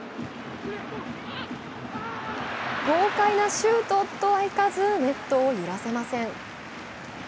豪快なシュートとはいかずネットを揺らせません。